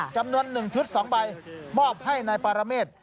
จำนวน๑ชุด๒ใบมอบให้นายปารเมษ